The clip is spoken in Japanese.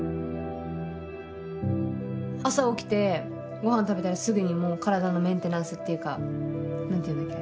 朝起きてごはん食べたらすぐにもう体のメンテナンスっていうか何て言うんだっけ？